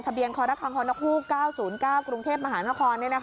ทะเบียนคคค๙๐๙กรุงเทพฯมหานคร